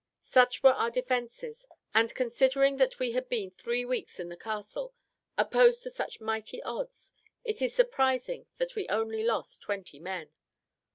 Such were our defences; and, considering that we had been three weeks in the castle, opposed to such mighty odds, it is surprising that we only lost twenty men.